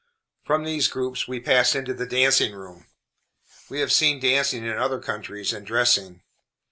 From these groups we passed into the dancing room. We have seen dancing in other countries, and dressing.